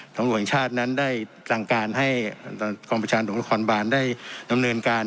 ทางเวตชาตินั้นได้ทางการให้ละกรของกลุ่มพยาบาลได้ดำเนินการ